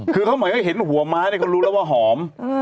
คือเขาเหมือนให้เห็นหัวม้าเนี่ยเขารู้แล้วว่าหอม